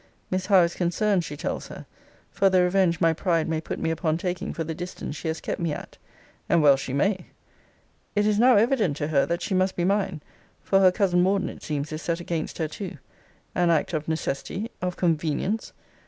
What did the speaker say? Miss Howe 'is concerned,' she tells her, 'for the revenge my pride may put me upon taking for the distance she has kept me at' and well she may. It is now evident to her, that she must be mine (for her cousin Morden, it seems, is set against her too) an act of necessity, of convenience!